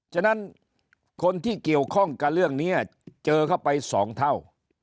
ฉะนั้นคนที่เกี่ยวข้องกับเรื่องนี้เจอเข้าไป๒เท่า